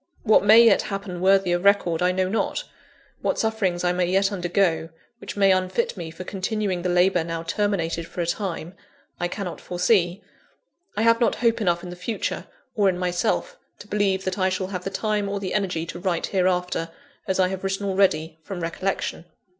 What may yet happen worthy of record, I know not: what sufferings I may yet undergo, which may unfit me for continuing the labour now terminated for a time, I cannot foresee. I have not hope enough in the future, or in myself; to believe that I shall have the time or the energy to write hereafter, as I have written already, from recollection.